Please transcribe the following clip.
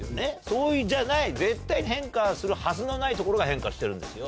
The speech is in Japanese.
そうじゃない絶対変化するはずのないところが変化してるんですよ。